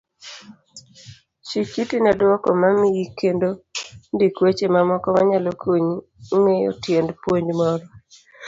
Chikiti nedwoko mimiyi kendo ndik weche mamoko manyalo konyi ng'eyo tiend puonj moro.